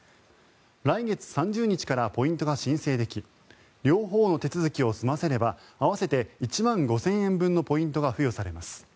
来月３０日からポイントが申請でき両方の手続きを済ませれば合わせて１万５０００円分のポイントが付与されます。